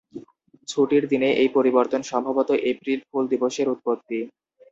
ছুটির দিনে এই পরিবর্তন সম্ভবত এপ্রিল ফুল দিবসের উৎপত্তি।